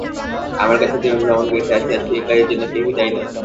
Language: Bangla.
আমার কাছে তুমি প্রমাণ করিতে আসিয়াছ, এ কাজের জন্য কেহই দায়ী নহে!